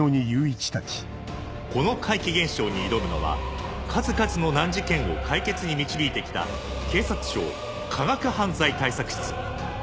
この怪奇現象に挑むのは数々の難事件を解決に導いて来た警察庁科学犯罪対策室。